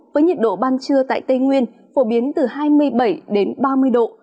với nhiệt độ ban trưa tại tây nguyên phổ biến từ hai mươi bảy đến ba mươi độ